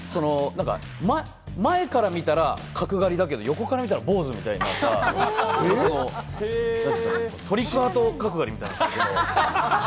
前から見たら角刈りだけど、横から見たら坊主で、トリックアート角刈りみたいな。